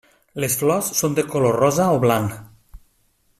Les flors són de color rosa o blanc.